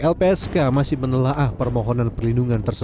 lpsk masih menelaah permohonan perlindungan